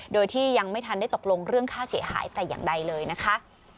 โดยที่ยังไม่ทันได้ตกลงเรื่องค่าเสียหายแต่อย่างใดเลยนะคะ